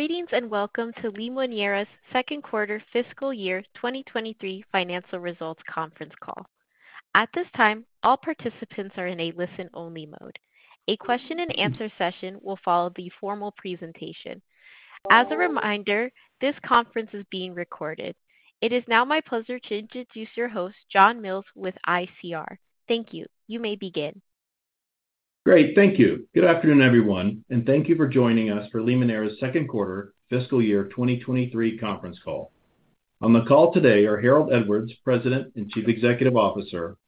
Greetings, welcome to Limoneira's second quarter fiscal year, 2023 financial results conference call. At this time, all participants are in a listen-only mode. A question and answer session will follow the formal presentation. As a reminder, this conference is being recorded. It is now my pleasure to introduce your host, John Mills, with ICR. Thank you. You may begin. Great. Thank you. Good afternoon, everyone, and thank you for joining us for Limoneira's second quarter fiscal year 2023 conference call. On the call today are Harold Edwards, President and Chief Executive Officer,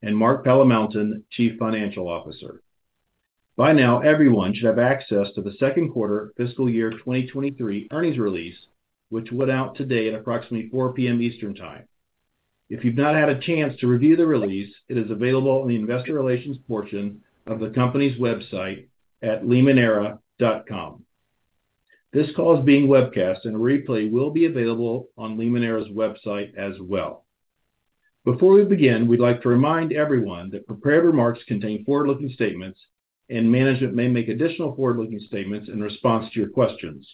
and Mark Palamountain, Chief Financial Officer. By now, everyone should have access to the second quarter fiscal year 2023 earnings release, which went out today at approximately 4:00 P.M. Eastern time. If you've not had a chance to review the release, it is available on the investor relations portion of the company's website at limoneira.com. This call is being webcast and a replay will be available on Limoneira's website as well. Before we begin, we'd like to remind everyone that prepared remarks contain forward-looking statements, and management may make additional forward-looking statements in response to your questions.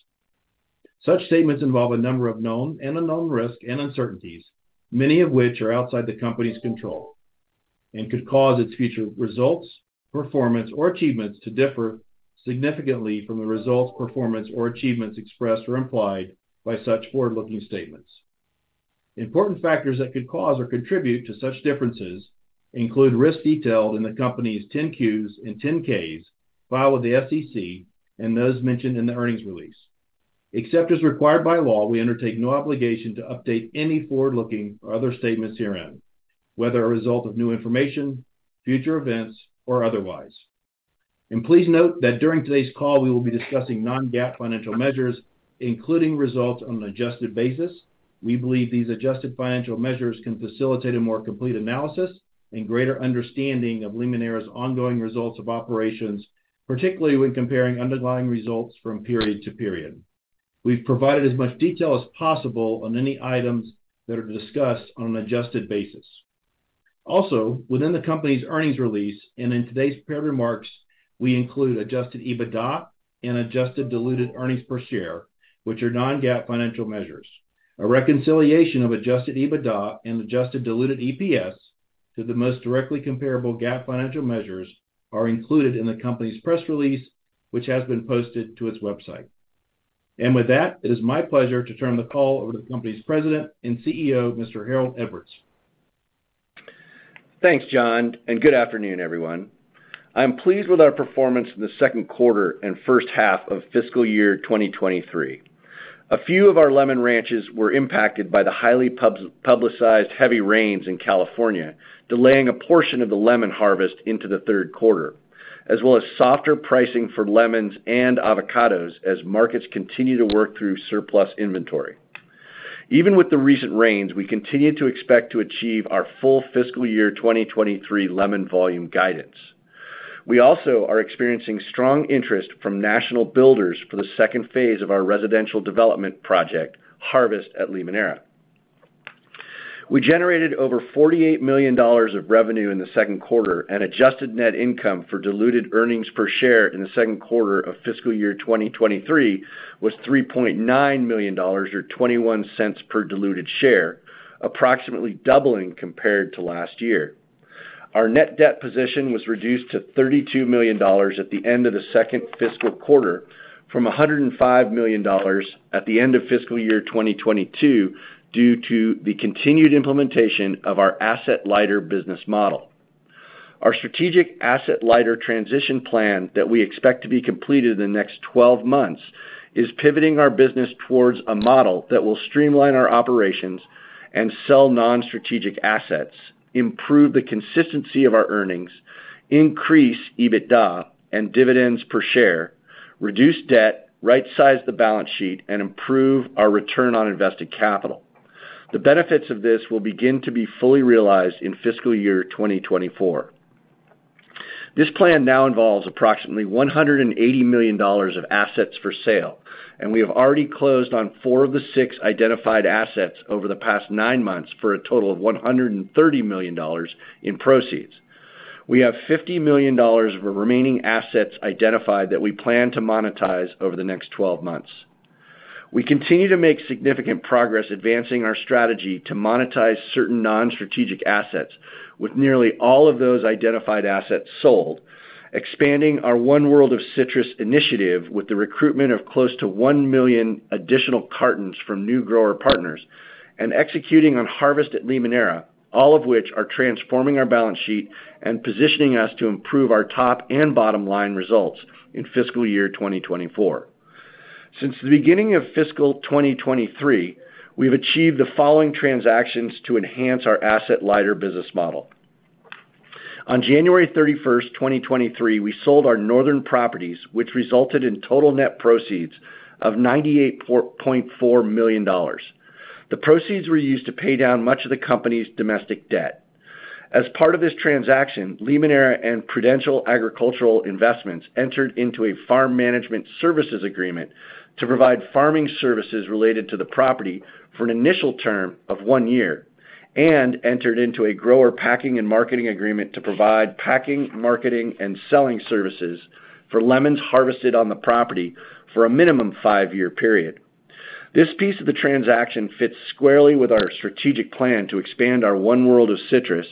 Such statements involve a number of known and unknown risks and uncertainties, many of which are outside the company's control, and could cause its future results, performance, or achievements to differ significantly from the results, performance, or achievements expressed or implied by such forward-looking statements. Important factors that could cause or contribute to such differences include risks detailed in the company's 10-Qs and 10-Ks filed with the SEC and those mentioned in the earnings release. Except as required by law, we undertake no obligation to update any forward-looking or other statements herein, whether a result of new information, future events, or otherwise. Please note that during today's call, we will be discussing non-GAAP financial measures, including results on an adjusted basis. We believe these adjusted financial measures can facilitate a more complete analysis and greater understanding of Limoneira's ongoing results of operations, particularly when comparing underlying results from period to period. We've provided as much detail as possible on any items that are discussed on an adjusted basis. Within the company's earnings release, and in today's prepared remarks, we include adjusted EBITDA and adjusted diluted earnings per share, which are non-GAAP financial measures. A reconciliation of adjusted EBITDA and adjusted diluted EPS to the most directly comparable GAAP financial measures are included in the company's press release, which has been posted to its website. With that, it is my pleasure to turn the call over to the company's President and Chief Executive Officer, Mr. Harold Edwards. Thanks, John, and good afternoon, everyone. I'm pleased with our performance in the second quarter and first half of fiscal year 2023. A few of our lemon ranches were impacted by the highly publicized heavy rains in California, delaying a portion of the lemon harvest into the third quarter, as well as softer pricing for lemons and avocados as markets continue to work through surplus inventory. Even with the recent rains, we continue to expect to achieve our full fiscal year 2023 lemon volume guidance. We also are experiencing strong interest from national builders for the second phase of our residential development project, Harvest at Limoneira. We generated over $48 million of revenue in the second quarter. Adjusted net income for diluted earnings per share in the second quarter of fiscal year 2023 was $3.9 million, or $0.21 per diluted share, approximately doubling compared to last year. Our net debt position was reduced to $32 million at the end of the second fiscal quarter from $105 million at the end of fiscal year 2022, due to the continued implementation of our asset-lighter business model. Our strategic asset-lighter transition plan that we expect to be completed in the next 12 months, is pivoting our business towards a model that will streamline our operations and sell non-strategic assets, improve the consistency of our earnings, increase EBITDA and dividends per share, reduce debt, right-size the balance sheet, and improve our return on invested capital. The benefits of this will begin to be fully realized in fiscal year 2024. This plan now involves approximately $180 million of assets for sale. We have already closed on four of the six identified assets over the past nine months for a total of $130 million in proceeds. We have $50 million of remaining assets identified that we plan to monetize over the next 12 months. We continue to make significant progress advancing our strategy to monetize certain non-strategic assets with nearly all of those identified assets sold, expanding our One World of Citrus initiative with the recruitment of close to 1 million additional cartons from new grower partners, and executing on Harvest at Limoneira, all of which are transforming our balance sheet and positioning us to improve our top and bottom line results in fiscal year 2024. Since the beginning of fiscal 2023, we've achieved the following transactions to enhance our asset-lighter business model. On January 31st, 2023, we sold our Northern Properties, which resulted in total net proceeds of $98.4 million. The proceeds were used to pay down much of the company's domestic debt. As part of this transaction, Limoneira and Prudential Agricultural Investments entered into a farm management services agreement to provide farming services related to the property for an initial term of one year, and entered into a grower packing and marketing agreement to provide packing, marketing, and selling services for lemons harvested on the property for a minimum five-year period. This piece of the transaction fits squarely with our strategic plan to expand our One World of Citrus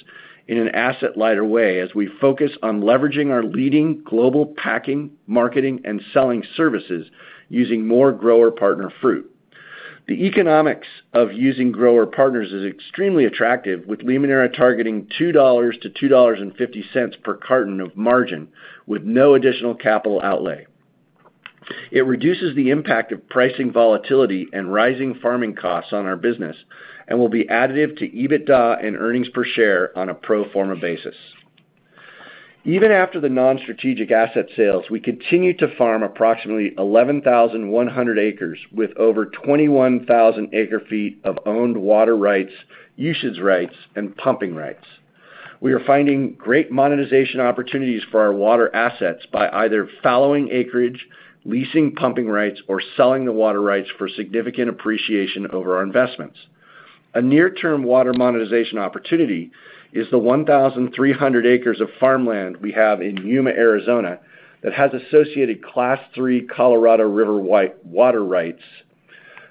in an asset-lighter way as we focus on leveraging our leading global packing, marketing, and selling services using more grower partner fruit. The economics of using grower partners is extremely attractive, with Limoneira targeting $2.00-$2.50 per carton of margin, with no additional capital outlay. It reduces the impact of pricing volatility and rising farming costs on our business and will be additive to EBITDA and earnings per share on a pro forma basis. Even after the non-strategic asset sales, we continue to farm approximately 11,100 acres, with over 21,000 acre feet of owned water rights, usage rights, and pumping rights. We are finding great monetization opportunities for our water assets by either fallowing acreage, leasing pumping rights, or selling the water rights for significant appreciation over our investments. A near-term water monetization opportunity is the 1,300 acres of farmland we have in Yuma, Arizona, that has associated Class 3 Colorado River water rights.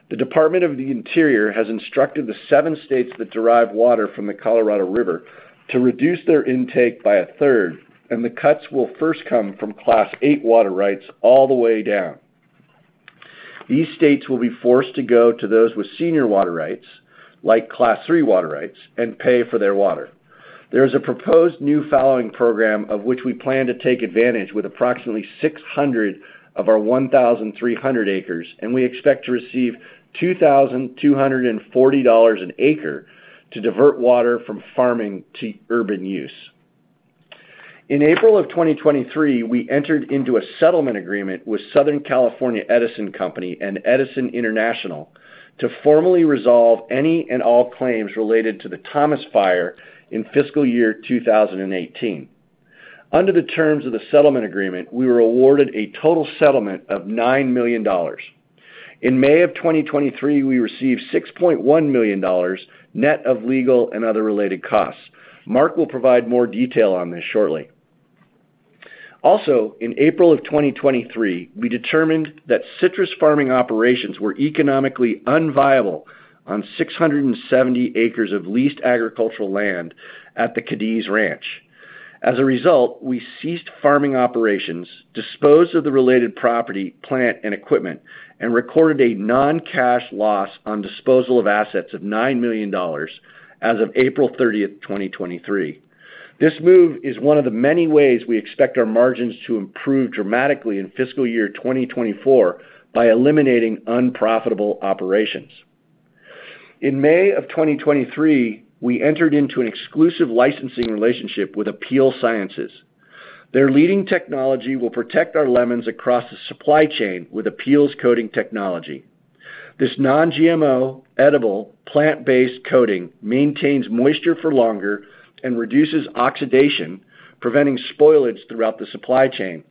The Department of the Interior has instructed the seven states that derive water from the Colorado River to reduce their intake by 1/3, the cuts will first come from Class 8 water rights all the way down. These states will be forced to go to those with senior water rights, like Class 3 water rights, pay for their water. There is a proposed new fallowing program, of which we plan to take advantage with approximately 600 of our 1,300 acres, we expect to receive $2,240 an acre to divert water from farming to urban use. In April 2023, we entered into a settlement agreement with Southern California Edison Company and Edison International to formally resolve any and all claims related to the Thomas Fire in fiscal year 2018. Under the terms of the settlement agreement, we were awarded a total settlement of $9 million. In May of 2023, we received $6.1 million, net of legal and other related costs. Mark will provide more detail on this shortly. In April of 2023, we determined that citrus farming operations were economically unviable on 670 acres of leased agricultural land at the Cadiz Ranch. We ceased farming operations, disposed of the related property, plant, and equipment, and recorded a non-cash loss on disposal of assets of $9 million as of April 30th, 2023. This move is one of the many ways we expect our margins to improve dramatically in fiscal year 2024 by eliminating unprofitable operations. In May of 2023, we entered into an exclusive licensing relationship with Apeel Sciences. Their leading technology will protect our lemons across the supply chain with Apeel's coating technology. This non-GMO, edible, plant-based coating maintains moisture for longer and reduces oxidation, preventing spoilage throughout the supply chain.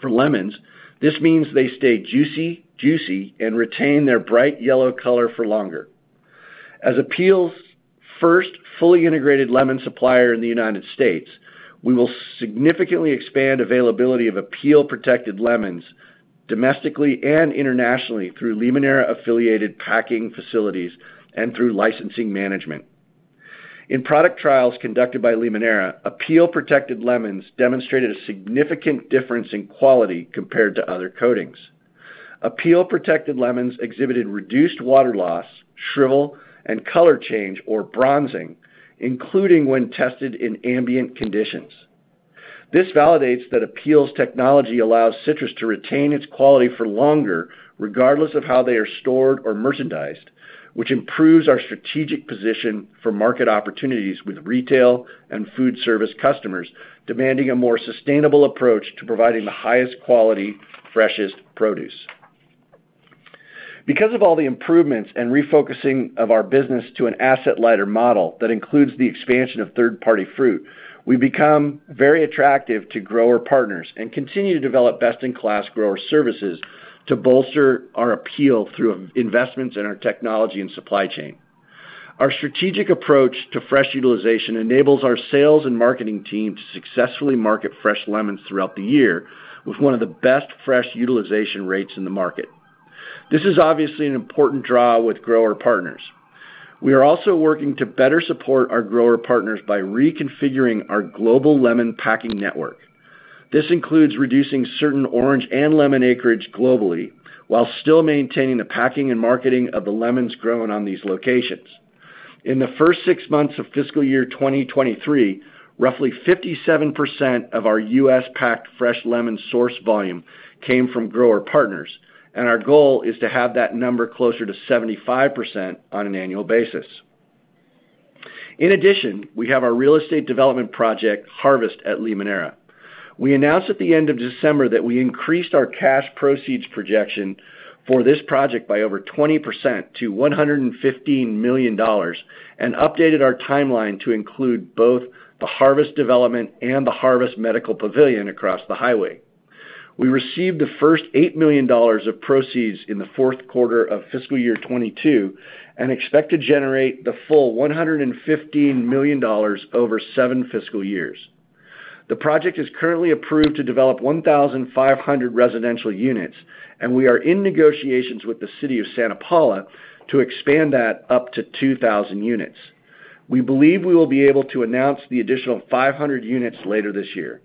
For lemons, this means they stay juicy and retain their bright yellow color for longer. As Apeel's first fully integrated lemon supplier in the United States, we will significantly expand availability of Apeel-protected lemons domestically and internationally through Limoneira-affiliated packing facilities and through licensing management. In product trials conducted by Limoneira, Apeel-protected lemons demonstrated a significant difference in quality compared to other coatings. Apeel-protected lemons exhibited reduced water loss, shrivel, and color change or bronzing, including when tested in ambient conditions. This validates that Apeel's technology allows citrus to retain its quality for longer, regardless of how they are stored or merchandised, which improves our strategic position for market opportunities, with retail and food service customers demanding a more sustainable approach to providing the highest quality, freshest produce. Because of all the improvements and refocusing of our business to an asset-lighter model that includes the expansion of third-party fruit, we've become very attractive to grower partners and continue to develop best-in-class grower services to bolster our appeal through investments in our technology and supply chain. Our strategic approach to fresh utilization enables our sales and marketing team to successfully market fresh lemons throughout the year, with one of the best fresh utilization rates in the market. This is obviously an important draw with grower partners. We are also working to better support our grower partners by reconfiguring our global lemon packing network. This includes reducing certain orange and lemon acreage globally while still maintaining the packing and marketing of the lemons grown on these locations. In the first six months of fiscal year 2023, roughly 57% of our U.S.-packed fresh lemon source volume came from grower partners, and our goal is to have that number closer to 75% on an annual basis. In addition, we have our real estate development project, Harvest at Limoneira. We announced at the end of December that we increased our cash proceeds projection for this project by over 20% to $115 million, and updated our timeline to include both the Harvest development and the Harvest Medical Pavilion across the highway. We received the first $8 million of proceeds in the fourth quarter of fiscal year 2022 and expect to generate the full $115 million over seven fiscal years. The project is currently approved to develop 1,500 residential units, and we are in negotiations with the City of Santa Paula to expand that up to 2,000 units. We believe we will be able to announce the additional 500 units later this year.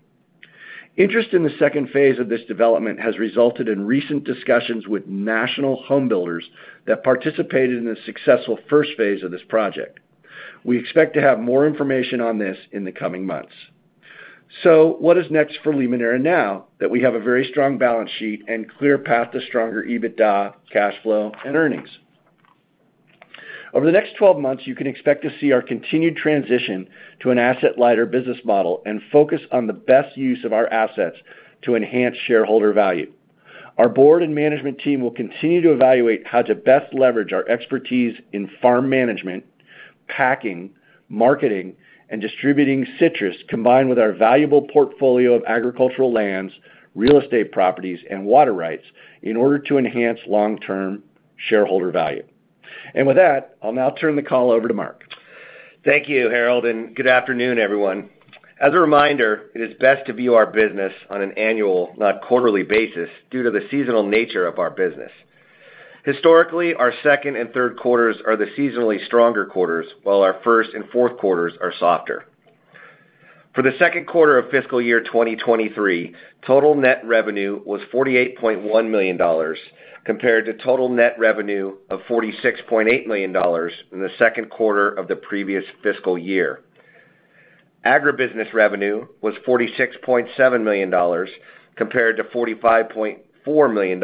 Interest in the second phase of this development has resulted in recent discussions with national home builders that participated in the successful first phase of this project. We expect to have more information on this in the coming months. What is next for Limoneira now that we have a very strong balance sheet and clear path to stronger EBITDA, cash flow and earnings? Over the next 12 months, you can expect to see our continued transition to an asset-lighter business model and focus on the best use of our assets to enhance shareholder value. Our board and management team will continue to evaluate how to best leverage our expertise in farm management, packing, marketing, and distributing citrus, combined with our valuable portfolio of agricultural lands, real estate properties, and water rights, in order to enhance long-term shareholder value. With that, I'll now turn the call over to Mark. Thank you, Harold, and good afternoon, everyone. As a reminder, it is best to view our business on an annual, not quarterly basis, due to the seasonal nature of our business. Historically, our second and third quarters are the seasonally stronger quarters, while our first and fourth quarters are softer. For the second quarter of fiscal year 2023, total net revenue was $48.1 million, compared to total net revenue of $46.8 million in the second quarter of the previous fiscal year. Agribusiness revenue was $46.7 million, compared to $45.4 million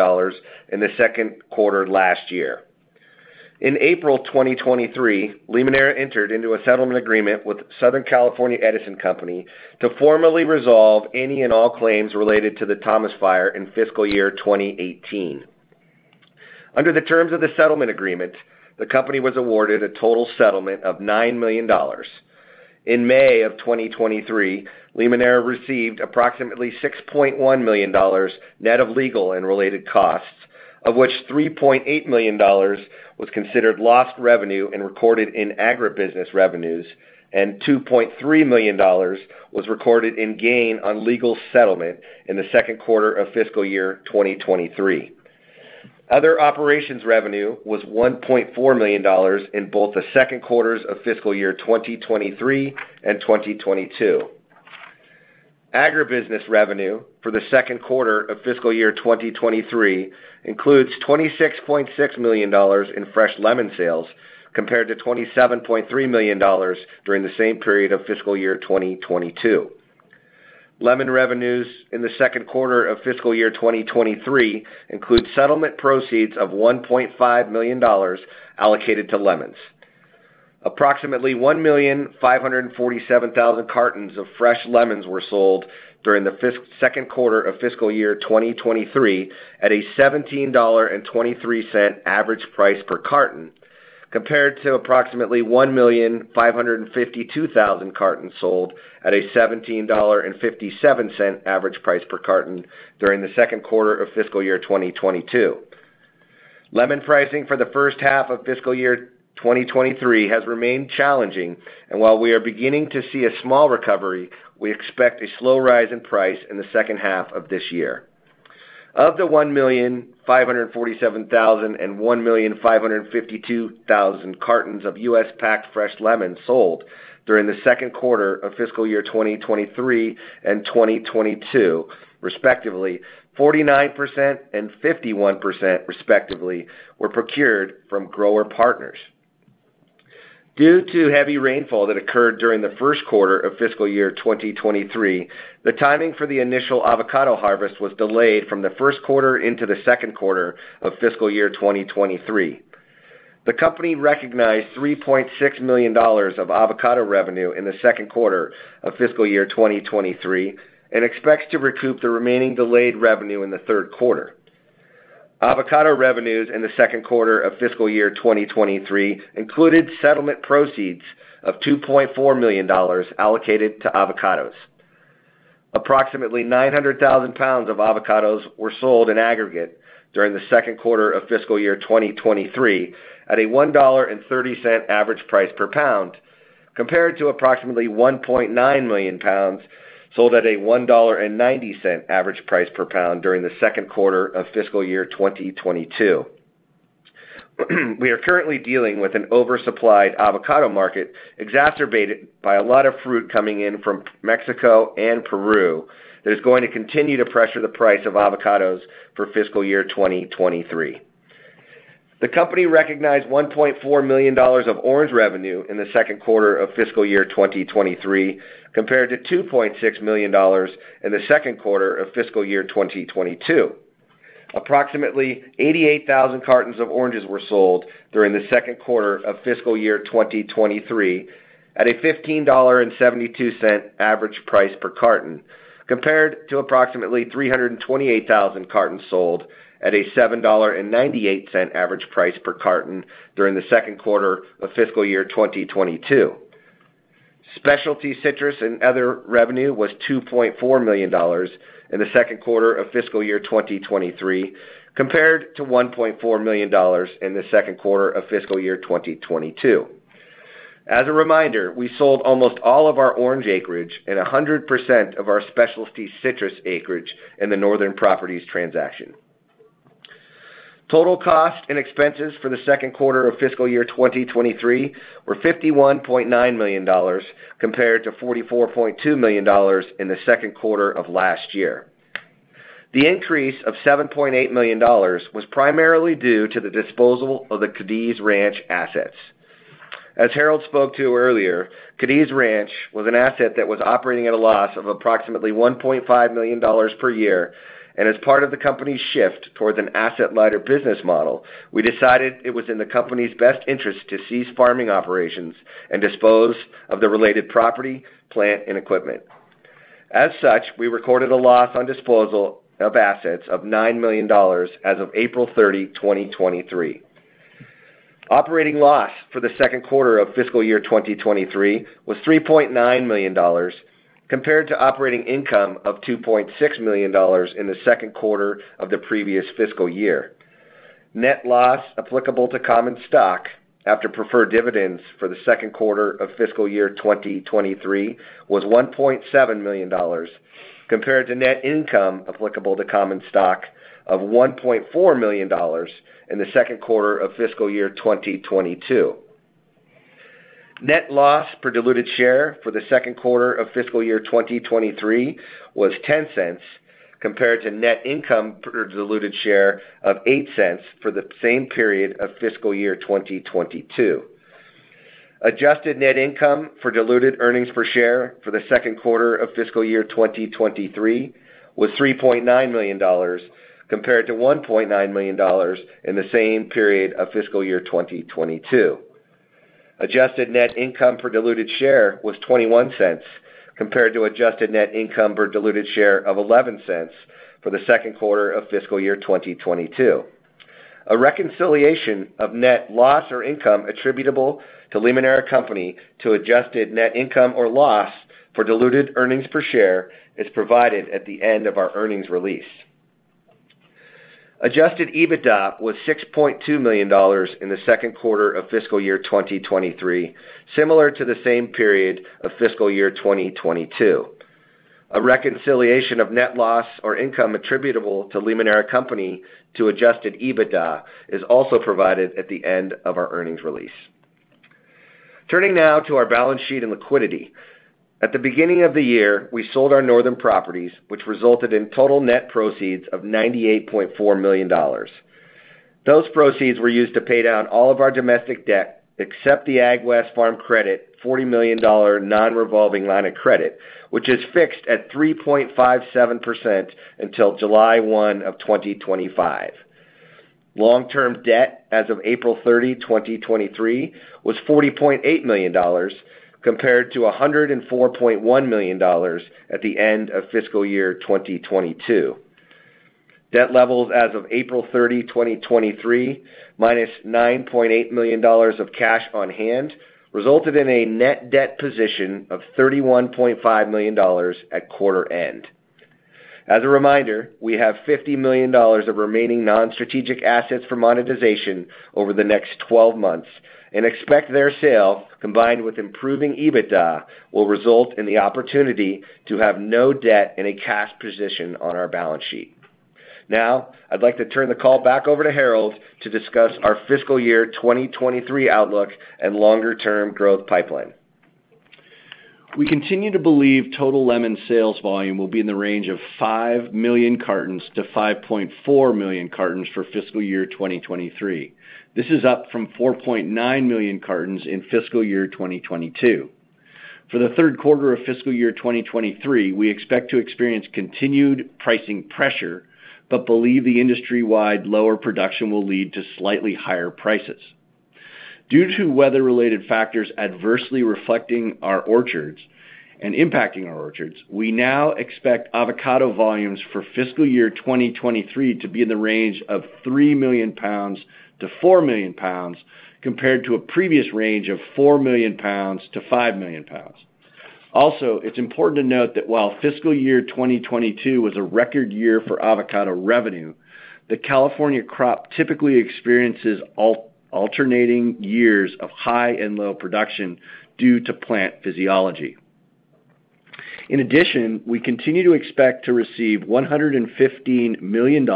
in the second quarter last year. In April 2023, Limoneira entered into a settlement agreement with Southern California Edison Company to formally resolve any and all claims related to the Thomas Fire in fiscal year 2018. Under the terms of the settlement agreement, the company was awarded a total settlement of $9 million. In May of 2023, Limoneira received approximately $6.1 million, net of legal and related costs, of which $3.8 million was considered lost revenue and recorded in agribusiness revenues, and $2.3 million was recorded in gain on legal settlement in the second quarter of fiscal year 2023. Other operations revenue was $1.4 million in both the second quarters of fiscal year 2023 and 2022. Agribusiness revenue for the second quarter of fiscal year 2023 includes $26.6 million in fresh lemon sales, compared to $27.3 million during the same period of fiscal year 2022. Lemon revenues in the second quarter of fiscal year 2023 include settlement proceeds of $1.5 million allocated to lemons. Approximately 1,547,000 cartons of fresh lemons were sold during the second quarter of fiscal year 2023, at a $17.23 average price per carton, compared to approximately 1,552,000 cartons sold at a $17.57 average price per carton during the second quarter of fiscal year 2022. Lemon pricing for the first half of fiscal year 2023 has remained challenging, while we are beginning to see a small recovery, we expect a slow rise in price in the second half of this year. Of the 1,547,000 and 1,552,000 cartons of U.S.-packed fresh lemons sold during the second quarter of fiscal year 2023 and 2022, respectively, 49% and 51%, respectively, were procured from grower partners. Due to heavy rainfall that occurred during the first quarter of fiscal year 2023, the timing for the initial avocado harvest was delayed from the first quarter into the second quarter of fiscal year 2023. The company recognized $3.6 million of avocado revenue in the second quarter of fiscal year 2023 and expects to recoup the remaining delayed revenue in the third quarter. Avocado revenues in the second quarter of fiscal year 2023 included settlement proceeds of $2.4 million allocated to avocados. Approximately 900,000 lb of avocados were sold in aggregate during the second quarter of fiscal year 2023 at a $1.30 average price per pound, compared to approximately 1.9 million pounds sold at a $1.90 average price per pound during the second quarter of fiscal year 2022. We are currently dealing with an oversupplied avocado market, exacerbated by a lot of fruit coming in from Mexico and Peru, that is going to continue to pressure the price of avocados for fiscal year 2023. The company recognized $1.4 million of orange revenue in the second quarter of fiscal year 2023, compared to $2.6 million in the second quarter of fiscal year 2022. Approximately 88,000 cartons of oranges were sold during the second quarter of fiscal year 2023 at a $15.72 average price per carton, compared to approximately 328,000 cartons sold at a $7.98 average price per carton during the second quarter of fiscal year 2022. Specialty citrus and other revenue was $2.4 million in the second quarter of fiscal year 2023, compared to $1.4 million in the second quarter of fiscal year 2022. As a reminder, we sold almost all of our orange acreage and 100% of our specialty citrus acreage in the Northern Properties transaction. Total costs and expenses for the second quarter of fiscal year 2023 were $51.9 million, compared to $44.2 million in the second quarter of last year. The increase of $7.8 million was primarily due to the disposal of the Cadiz Ranch assets. As Harold spoke to earlier, Cadiz Ranch was an asset that was operating at a loss of approximately $1.5 million per year. As part of the company's shift towards an asset-lighter business model, we decided it was in the company's best interest to cease farming operations and dispose of the related property, plant, and equipment. As such, we recorded a loss on disposal of assets of $9 million as of April 30, 2023. Operating loss for the second quarter of fiscal year 2023 was $3.9 million, compared to operating income of $2.6 million in the second quarter of the previous fiscal year. Net loss applicable to common stock after preferred dividends for the second quarter of fiscal year 2023 was $1.7 million, compared to net income applicable to common stock of $1.4 million in the second quarter of fiscal year 2022. Net loss per diluted share for the second quarter of fiscal year 2023 was $0.10, compared to net income per diluted share of $0.08 for the same period of fiscal year 2022. Adjusted net income for diluted earnings per share for the second quarter of fiscal year 2023 was $3.9 million, compared to $1.9 million in the same period of fiscal year 2022. Adjusted net income per diluted share was $0.21, compared to adjusted net income per diluted share of $0.11 for the second quarter of fiscal year 2022. A reconciliation of net loss or income attributable to Limoneira Company to adjusted net income or loss for diluted earnings per share is provided at the end of our earnings release. Adjusted EBITDA was $6.2 million in the second quarter of fiscal year 2023, similar to the same period of fiscal year 2022. A reconciliation of net loss or income attributable to Limoneira Company to adjusted EBITDA is also provided at the end of our earnings release. Turning now to our balance sheet and liquidity. At the beginning of the year, we sold our Northern Properties, which resulted in total net proceeds of $98.4 million. Those proceeds were used to pay down all of our domestic debt, except the AgWest Farm Credit $40 million non-revolving line of credit, which is fixed at 3.57% until July 1, 2025. Long-term debt as of April 30, 2023, was $40.8 million, compared to $104.1 million at the end of fiscal year 2022. Debt levels as of April 30, 2023, minus $9.8 million of cash on hand, resulted in a net debt position of $31.5 million at quarter end. As a reminder, we have $50 million of remaining non-strategic assets for monetization over the next 12 months and expect their sale, combined with improving EBITDA, will result in the opportunity to have no debt and a cash position on our balance sheet. I'd like to turn the call back over to Harold to discuss our fiscal year 2023 outlook and longer-term growth pipeline. We continue to believe total lemon sales volume will be in the range of 5 million-5.4 million cartons for fiscal year 2023. This is up from 4.9 million cartons in fiscal year 2022. For the third quarter of fiscal year 2023, we expect to experience continued pricing pressure. Believe the industry-wide lower production will lead to slightly higher prices. Due to weather-related factors adversely reflecting our orchards and impacting our orchards, we now expect avocado volumes for fiscal year 2023 to be in the range of 3 million lb-4 million lb, compared to a previous range of 4 million lb-5 million lb. It's important to note that while fiscal year 2022 was a record year for avocado revenue, the California crop typically experiences alternating years of high and low production due to plant physiology. We continue to expect to receive $115 million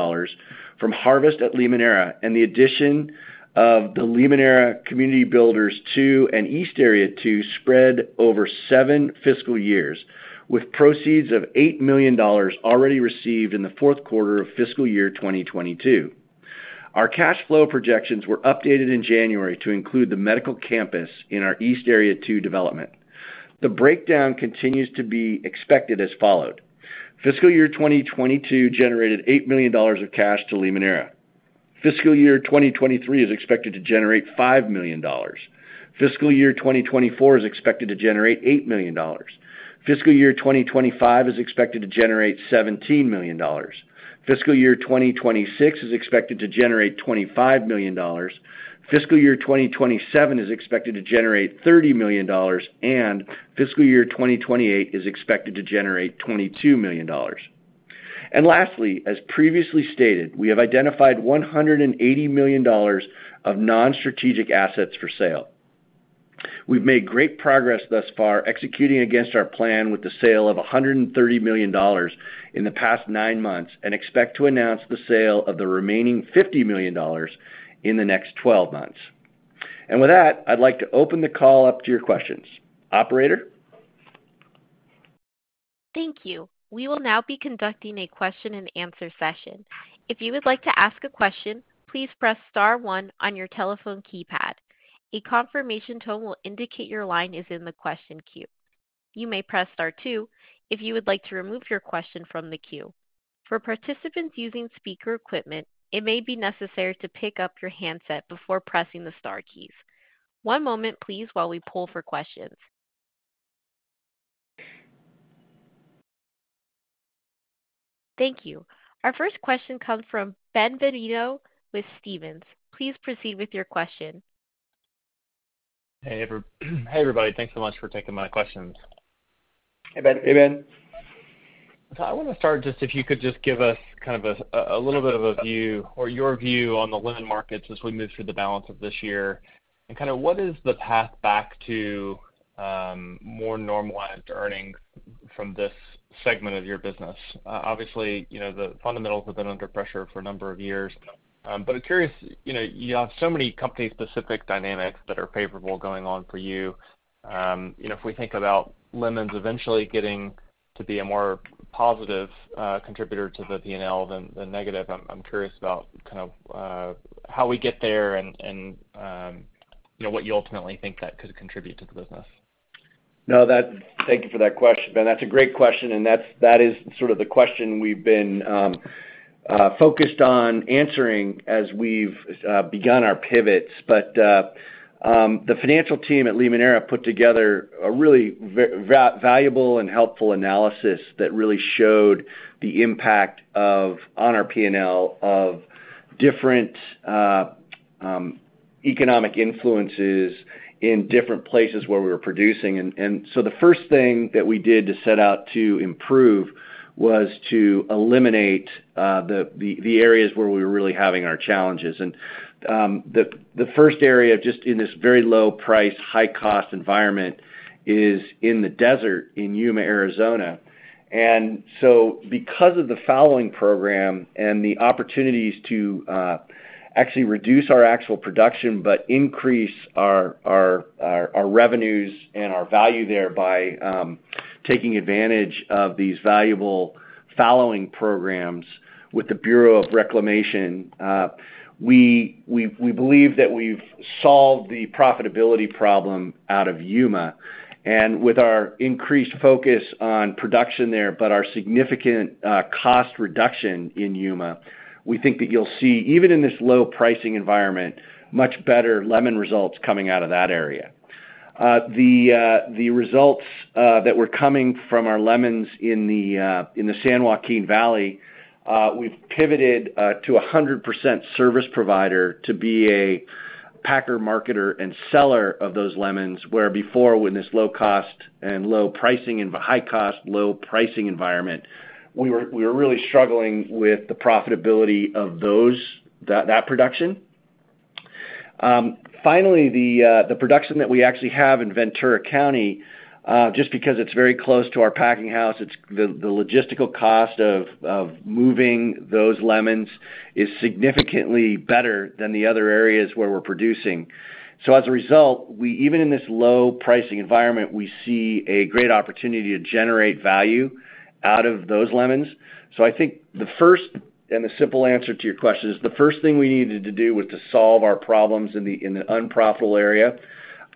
from Harvest at Limoneira and the addition of the Limoneira Community Builders II and East Area II spread over seven fiscal years, with proceeds of $8 million already received in the fourth quarter of fiscal year 2022. Our cash flow projections were updated in January to include the medical campus in our East Area II development. The breakdown continues to be expected as follows: fiscal year 2022 generated $8 million of cash to Limoneira. Fiscal year 2023 is expected to generate $5 million. Fiscal year 2024 is expected to generate $8 million. Fiscal year 2025 is expected to generate $17 million. Fiscal year 2026 is expected to generate $25 million. Fiscal year 2027 is expected to generate $30 million. Fiscal year 2028 is expected to generate $22 million. Lastly, as previously stated, we have identified $180 million of non-strategic assets for sale. We've made great progress thus far, executing against our plan with the sale of $130 million in the past nine months, and expect to announce the sale of the remaining $50 million in the next twelve months. With that, I'd like to open the call up to your questions. Operator? Thank you. We will now be conducting a question-and-answer session. If you would like to ask a question, please press star one on your telephone keypad. A confirmation tone will indicate your line is in the question queue. You may press star two if you would like to remove your question from the queue. For participants using speaker equipment, it may be necessary to pick up your handset before pressing the star keys. One moment, please, while we pull for questions. Thank you. Our first question comes from Ben Bienvenu with Stephens. Please proceed with your question. Hey, everybody. Thanks so much for taking my questions. Hey, Ben. I want to start just if you could just give us kind of a little bit of a view or your view on the lemon markets as we move through the balance of this year, and kind of what is the path back to more normalized earnings from this segment of your business? Obviously, you know, the fundamentals have been under pressure for a number of years. I'm curious, you know, you have so many company-specific dynamics that are favorable going on for you. You know, if we think about lemons eventually getting to be a more positive contributor to the P&L than negative, I'm curious about kind of how we get there and, you know, what you ultimately think that could contribute to the business. No, that. Thank you for that question, Ben. That's a great question, and that's, that is sort of the question we've been focused on answering as we've begun our pivots. The financial team at Limoneira put together a really valuable and helpful analysis that really showed the impact of, on our P&L of different economic influences in different places where we were producing. The first thing that we did to set out to improve was to eliminate the areas where we were really having our challenges. The first area, just in this very low price, high-cost environment, is in the desert in Yuma, Arizona. Because of the fallowing program and the opportunities to actually reduce our actual production, but increase our revenues and our value thereby taking advantage of these valuable fallowing programs with the Bureau of Reclamation, we believe that we've solved the profitability problem out of Yuma. With our increased focus on production there, but our significant cost reduction in Yuma, we think that you'll see, even in this low pricing environment, much better lemon results coming out of that area. The results that were coming from our lemons in the San Joaquin Valley, we've pivoted to a 100% service provider to be a packer, marketer, and seller of those lemons, where before, with this low cost and low pricing, and high cost, low pricing environment, we were really struggling with the profitability of those production. Finally, the production that we actually have in Ventura County, just because it's very close to our packing house, it's the logistical cost of moving those lemons is significantly better than the other areas where we're producing. As a result, we even in this low pricing environment, we see a great opportunity to generate value out of those lemons. I think the first, and the simple answer to your question, is the first thing we needed to do was to solve our problems in the unprofitable area.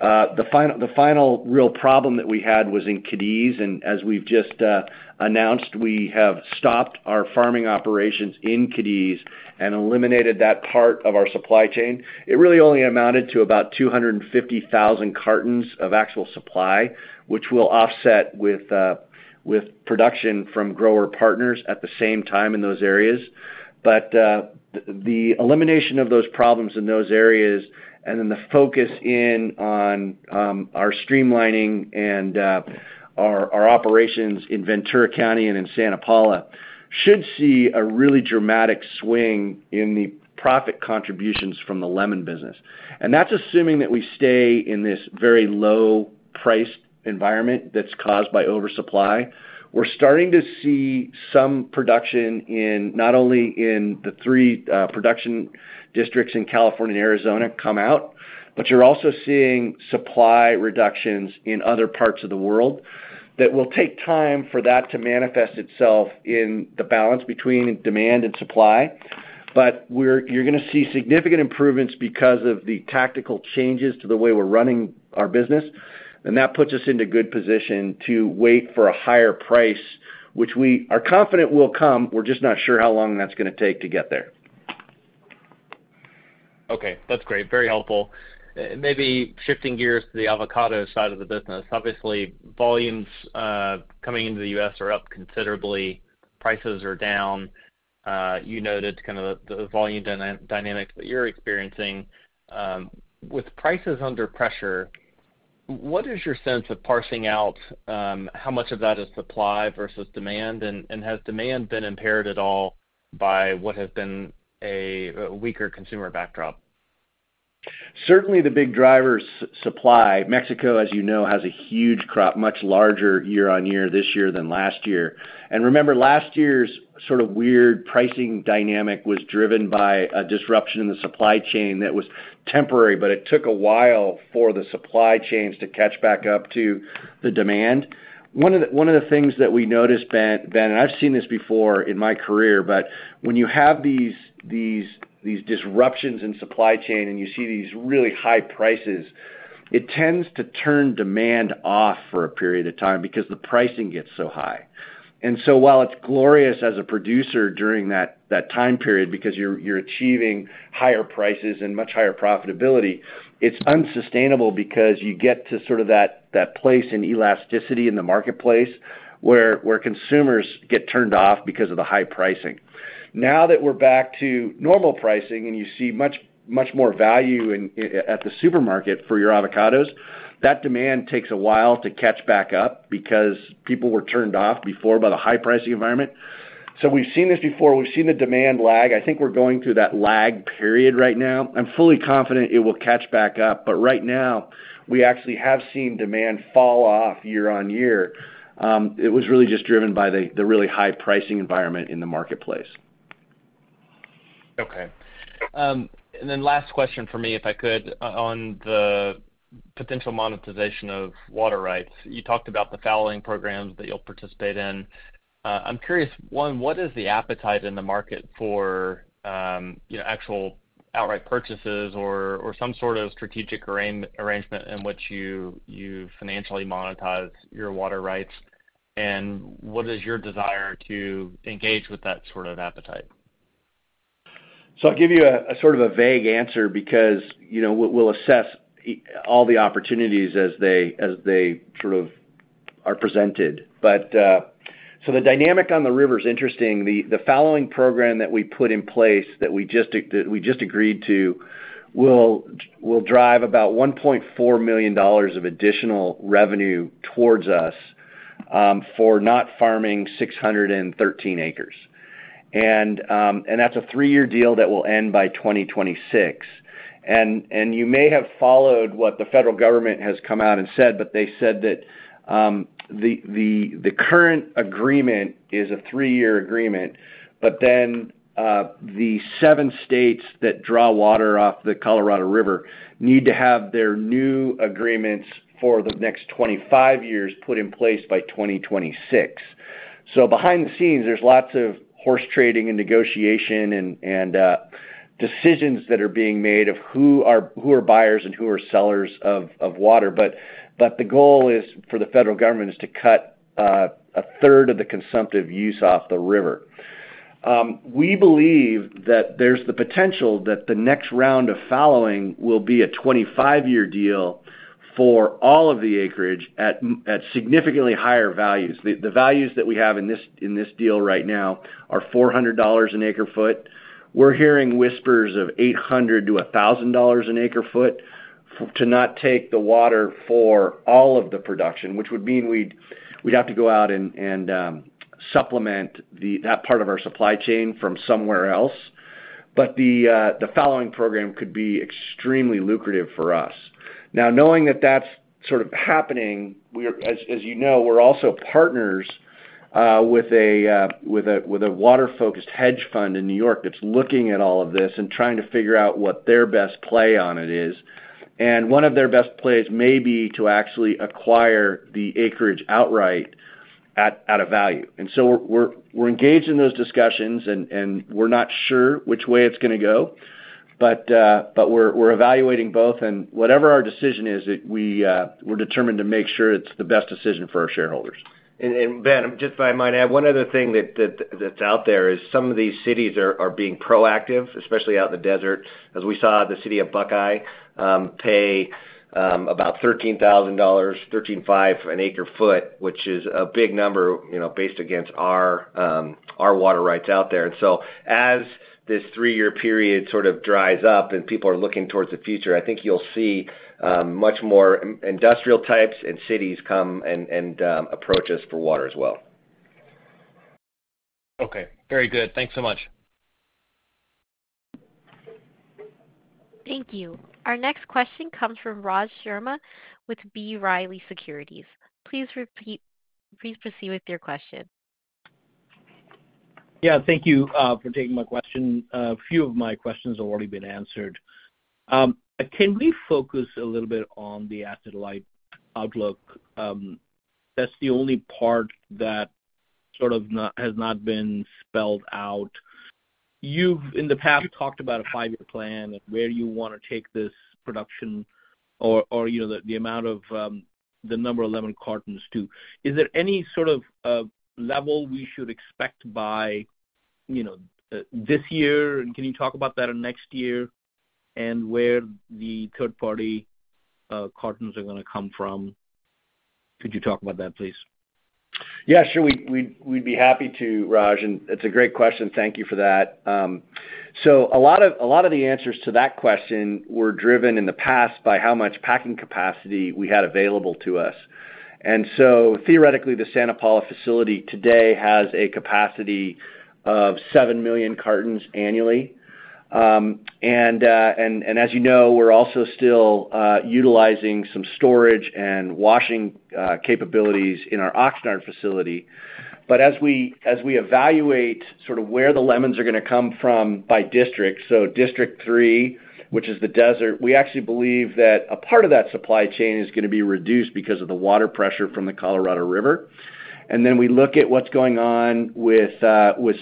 The final real problem that we had was in Cadiz, and as we've just announced, we have stopped our farming operations in Cadiz and eliminated that part of our supply chain. It really only amounted to about 250,000 cartons of actual supply, which we'll offset with production from grower partners at the same time in those areas. The elimination of those problems in those areas and then the focus in on our streamlining and our operations in Ventura County and in Santa Paula should see a really dramatic swing in the profit contributions from the lemon business. That's assuming that we stay in this very low-priced environment that's caused by oversupply. We're starting to see some production in, not only in the three production districts in California and Arizona come out, but you're also seeing supply reductions in other parts of the world that will take time for that to manifest itself in the balance between demand and supply. You're going to see significant improvements because of the tactical changes to the way we're running our business. That puts us into good position to wait for a higher price, which we are confident will come. We're just not sure how long that's going to take to get there. Okay, that's great. Very helpful. Maybe shifting gears to the avocado side of the business. Obviously, volumes, coming into the U.S. are up considerably. Prices are down. You noted kind of the volume dynamics that you're experiencing. With prices under pressure, what is your sense of parsing out how much of that is supply versus demand, and has demand been impaired at all? by what has been a weaker consumer backdrop? Certainly, the big driver's supply. Mexico, as you know, has a huge crop, much larger year-on-year this year than last year. Remember, last year's sort of weird pricing dynamic was driven by a disruption in the supply chain that was temporary, but it took a while for the supply chains to catch back up to the demand. One of the things that we noticed, Ben, and I've seen this before in my career, but when you have these disruptions in supply chain, and you see these really high prices, it tends to turn demand off for a period of time because the pricing gets so high. While it's glorious as a producer during that time period, because you're achieving higher prices and much higher profitability, it's unsustainable because you get to sort of that place in elasticity in the marketplace, where consumers get turned off because of the high pricing. Now that we're back to normal pricing, and you see much, much more value in, at the supermarket for your avocados, that demand takes a while to catch back up because people were turned off before by the high pricing environment. We've seen this before. We've seen the demand lag. I think we're going through that lag period right now. I'm fully confident it will catch back up, but right now, we actually have seen demand fall off year-on-year. It was really just driven by the really high pricing environment in the marketplace. Okay. Last question for me, if I could, on the potential monetization of water rights. You talked about the fallowing programs that you'll participate in. I'm curious, one, what is the appetite in the market for actual outright purchases or some sort of strategic arrangement in which you financially monetize your water rights? What is your desire to engage with that sort of appetite? I'll give you a sort of a vague answer because, you know, we'll assess all the opportunities as they sort of are presented. The dynamic on the river is interesting. The fallowing program that we put in place, that we just agreed to, will drive about $1.4 million of additional revenue towards us for not farming 613 acres. That's a three-year deal that will end by 2026. And you may have followed what the federal government has come out and said, but they said that the current agreement is a three-year agreement. The seven states that draw water off the Colorado River need to have their new agreements for the next 25 years put in place by 2026. Behind the scenes, there's lots of horse trading and negotiation and decisions that are being made of who are buyers and who are sellers of water. The goal is, for the federal government, is to cut 1/3 of the consumptive use off the river. We believe that there's the potential that the next round of fallowing will be a 25-year deal for all of the acreage at significantly higher values. The values that we have in this deal right now are $400 an acre foot. We're hearing whispers of $800-$1,000 an acre foot to not take the water for all of the production, which would mean we'd have to go out and supplement that part of our supply chain from somewhere else. The fallowing program could be extremely lucrative for us. Now, knowing that that's sort of happening, as you know, we're also partners with a water-focused hedge fund in New York that's looking at all of this and trying to figure out what their best play on it is. One of their best plays may be to actually acquire the acreage outright at a value. We're engaged in those discussions, and we're not sure which way it's going to go, but we're evaluating both. Whatever our decision is, we're determined to make sure it's the best decision for our shareholders. Ben, just if I might add, one other thing that's out there is some of these cities are being proactive, especially out in the desert, as we saw the city of Buckeye pay about $13,000, $13,500 an acre foot, which is a big number, you know, based against our water rights out there. As this three-year period sort of dries up and people are looking towards the future, I think you'll see much more industrial types and cities come and approach us for water as well. Okay. Very good. Thanks so much. Thank you. Our next question comes from Raj Sharma with B. Riley Securities. Please proceed with your question. Thank you for taking my question. A few of my questions have already been answered. Can we focus a little bit on the asset-lighter outlook? That's the only part that sort of has not been spelled out. You've, in the past, talked about a five-year plan of where you want to take this production or, you know, the amount of the number of lemon cartons too. Is there any sort of level we should expect by, you know, this year? Can you talk about that next year, and where the third-party cartons are gonna come from? Could you talk about that, please? Yeah, sure. We'd be happy to, Raj, and it's a great question. Thank you for that. A lot of the answers to that question were driven in the past by how much packing capacity we had available to us. Theoretically, the Santa Paula facility today has a capacity of 7 million cartons annually. And as you know, we're also still utilizing some storage and washing capabilities in our Oxnard facility. As we evaluate sort of where the lemons are going to come from by district, so District 3, which is the desert, we actually believe that a part of that supply chain is going to be reduced because of the water pressure from the Colorado River. Then we look at what's going on with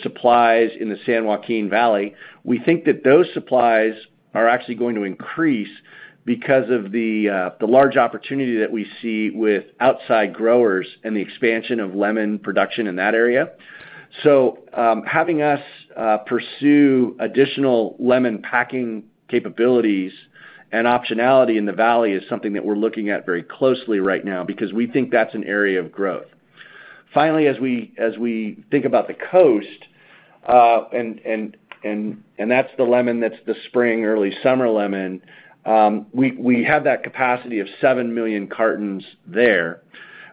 supplies in the San Joaquin Valley. We think that those supplies are actually going to increase because of the large opportunity that we see with outside growers and the expansion of lemon production in that area. Having us pursue additional lemon packing capabilities and optionality in the valley is something that we're looking at very closely right now because we think that's an area of growth. As we think about the coast, and that's the lemon, that's the spring, early summer lemon, we have that capacity of 7 million cartons there.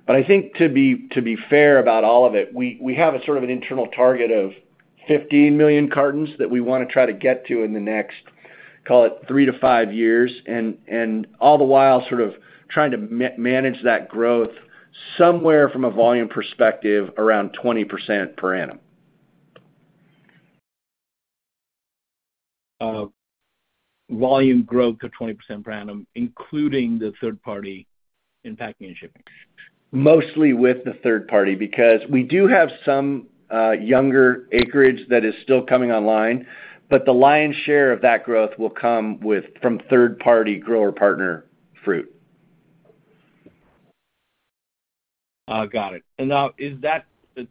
I think to be fair about all of it, we have a sort of an internal target of 15 million cartons that we want to get to in the next, call it three to five years, and all the while, sort of trying to manage that growth somewhere from a volume perspective, around 20% per annum. Volume growth of 20% per annum, including the third party in packing and shipping? Mostly with the third party, because we do have some younger acreage that is still coming online. The lion's share of that growth will come from third-party grower partner fruit. Got it. Now is that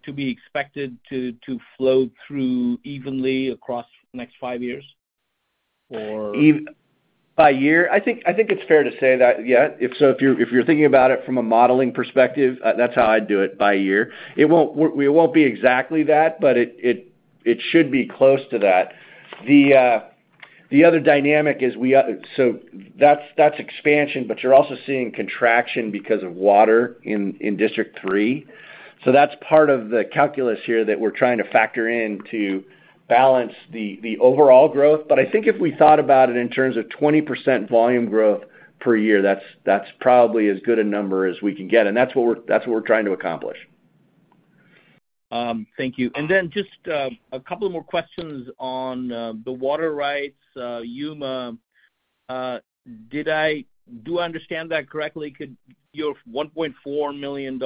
to be expected to flow through evenly across the next five years or? By year? I think it's fair to say that, yeah. If so, if you're thinking about it from a modeling perspective, that's how I'd do it by year. It won't be exactly that, but it should be close to that. The other dynamic is that's expansion, but you're also seeing contraction because of water in District 3. That's part of the calculus here that we're trying to factor in to balance the overall growth. I think if we thought about it in terms of 20% volume growth per year, that's probably as good a number as we can get, and that's what we're trying to accomplish. Thank you. Just a couple of more questions on the water rights. Yuma, do I understand that correctly, could your $1.4 million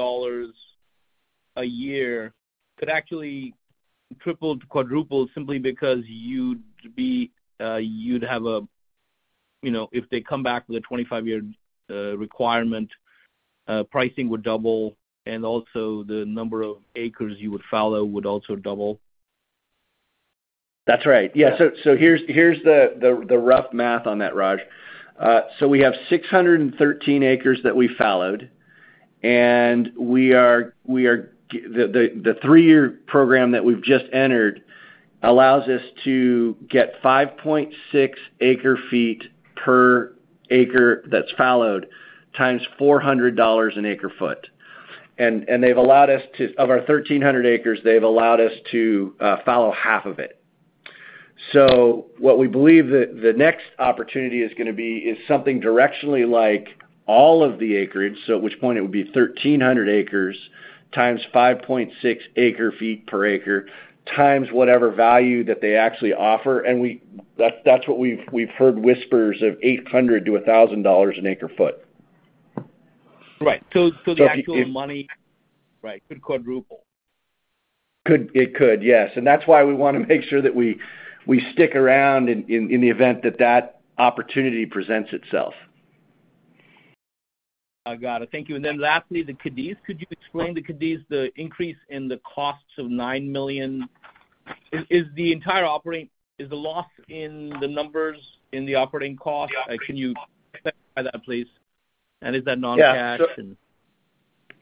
a year could actually triple to quadruple simply because you'd be, you'd have a, you know, if they come back with a 25-year requirement, pricing would double, and also the number of acres you would fallow would also double? That's right. Yeah. Here's the rough math on that, Raj Sharma. We have 613 acres that we fallowed, and we are the three-year program that we've just entered allows us to get 5.6 acre feet per acre that's fallowed, times $400 an acre foot. They've allowed us to... Of our 1,300 acres, they've allowed us to fallow half of it. What we believe that the next opportunity is going to be, is something directionally like all of the acreage, so at which point it would be 1,300 acres, times 5.6 acre feet per acre, times whatever value that they actually offer. That's what we've heard whispers of $800-$1,000 an acre foot. Right. The actual. So if- Right. Could quadruple. Could, yes. That's why we want to make sure that we stick around in the event that opportunity presents itself. Got it. Thank you. Lastly, the Cadiz. Could you explain the Cadiz, the increase in the costs of $9 million? Is the entire operating, is the loss in the numbers in the operating cost? Can you clarify that, please? Is that non-cash?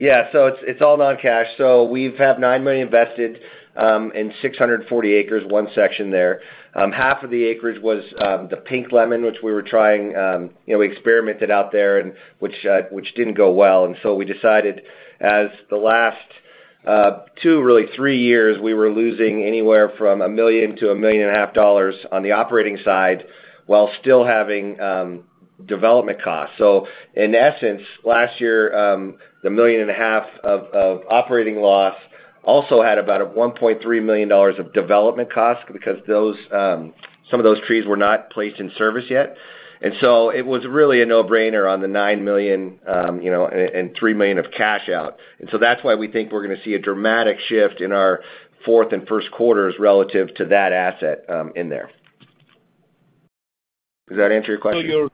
It's all non-cash. We've have $9 million invested in 640 acres, one section there. Half of the acreage was the pink lemon, which we were trying, you know, we experimented out there and which didn't go well. We decided as the last two, really three years, we were losing anywhere from $1 million-$1.5 million on the operating side, while still having development costs. In essence, last year, the $1.5 million of operating loss also had about $1.3 million of development costs because those, some of those trees were not placed in service yet. It was really a no-brainer on the $9 million, you know, and $3 million of cash out. That's why we think we're going to see a dramatic shift in our fourth and first quarters relative to that asset in there. Does that answer your question?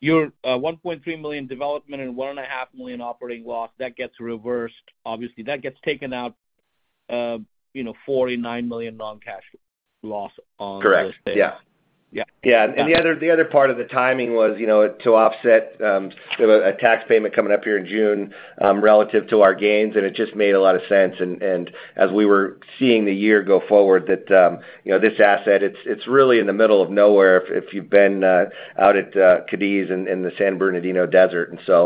Your $1.3 million development and $1.5 million operating loss, that gets reversed. Obviously, that gets taken out, you know, $49 million non-cash loss on those days. Correct. Yes. Yeah, the other part of the timing was, you know, to offset a tax payment coming up here in June, relative to our gains, and it just made a lot of sense. As we were seeing the year go forward, that, you know, this asset, it's really in the middle of nowhere, if you've been out at Cadiz in the San Bernardino desert. You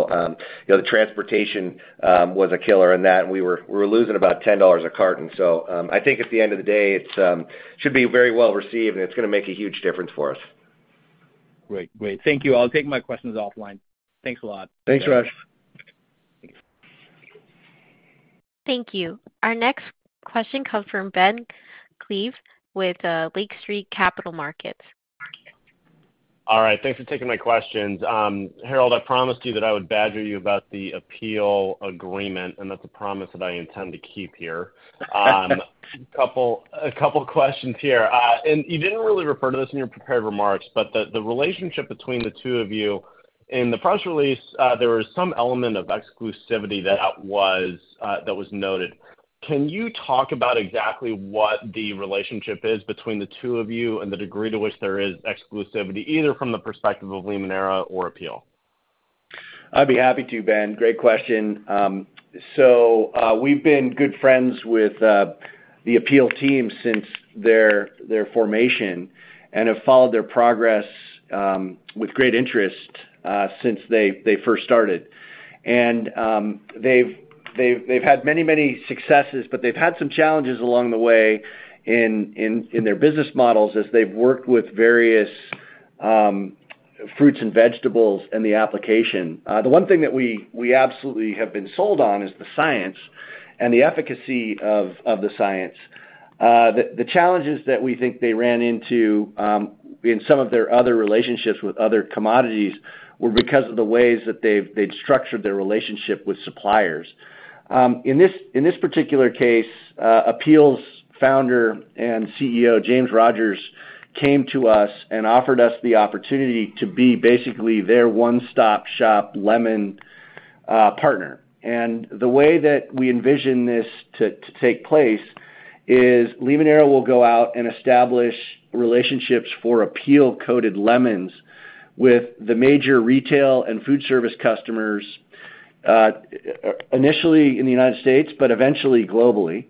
know, the transportation was a killer in that, and we were losing about $10 a carton. I think at the end of the day, it's should be very well received, and it's gonna make a huge difference for us. Great. Thank you. I'll take my questions offline. Thanks a lot. Thanks, Raj. Thank you. Our next question comes from Ben Klieve, with Lake Street Capital Markets. All right. Thanks for taking my questions. Harold, I promised you that I would badger you about the Apeel agreement, and that's a promise that I intend to keep here. A couple questions here. You didn't really refer to this in your prepared remarks, but the relationship between the two of you. In the press release, there was some element of exclusivity that was that was noted. Can you talk about exactly what the relationship is between the two of you and the degree to which there is exclusivity, either from the perspective of Limoneira or Apeel? I'd be happy to, Ben. Great question. We've been good friends with the Apeel team since their formation and have followed their progress with great interest since they first started. They've had many, many successes, but they've had some challenges along the way in their business models as they've worked with various fruits and vegetables and the application. The one thing that we absolutely have been sold on is the science and the efficacy of the science. The challenges that we think they ran into in some of their other relationships with other commodities, were because of the ways that they've structured their relationship with suppliers. In this particular case, Apeel's founder and CEO, James Rogers, came to us and offered us the opportunity to be basically their one-stop shop lemon partner. The way that we envision this to take place is Limoneira will go out and establish relationships for Apeel-coated lemons with the major retail and food service customers, initially in the United States, but eventually globally.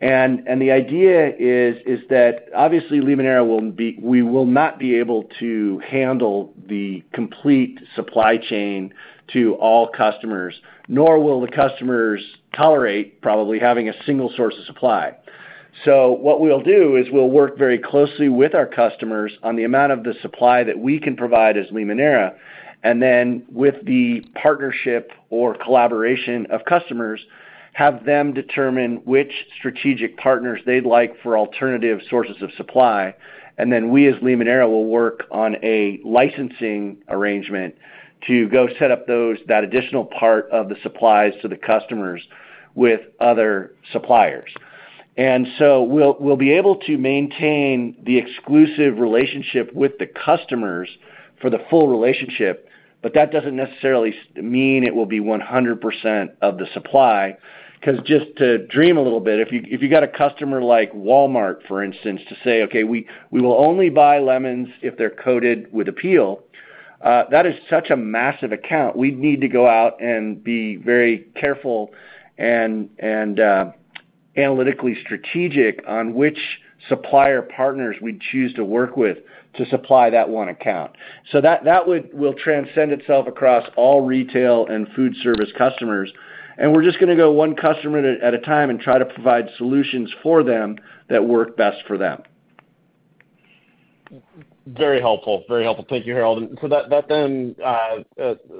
The idea is that obviously Limoneira will not be able to handle the complete supply chain to all customers, nor will the customers tolerate probably having a single source of supply. What we'll do is we'll work very closely with our customers on the amount of the supply that we can provide as Limoneira, and then with the partnership or collaboration of customers, have them determine which strategic partners they'd like for alternative sources of supply. We, as Limoneira, will work on a licensing arrangement to go set up that additional part of the supplies to the customers with other suppliers. We'll be able to maintain the exclusive relationship with the customers for the full relationship, but that doesn't necessarily mean it will be 100% of the supply. 'Cause just to dream a little bit, if you got a customer like Walmart, for instance, to say, "Okay, we will only buy lemons if they're coated with Apeel," that is such a massive account. We'd need to go out and be very careful and analytically strategic on which supplier partners we'd choose to work with to supply that one account. That will transcend itself across all retail and food service customers, and we're just gonna go one customer at a time and try to provide solutions for them, that work best for them. Very helpful. Very helpful. Thank you, Harold. That, that then